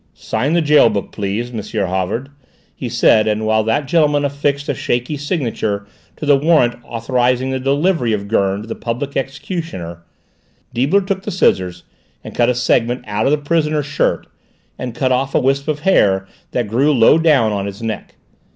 "Sign the gaol book, please, M. Havard," he said, and while that gentleman affixed a shaky signature to the warrant authorising the delivery of Gurn to the public executioner, Deibler took the scissors and cut a segment out of the prisoner's shirt and cut off a wisp of hair that grew low down on his neck.